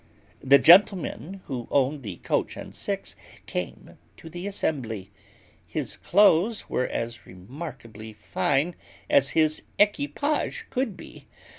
The gentleman who owned the coach and six came to the assembly. His clothes were as remarkably fine as his equipage could be.